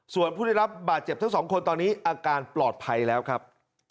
ส่วนผู้ได้รับบาดเจ็บทั้งสองคนตอนนี้อาการปลอดภัยแล้วครับ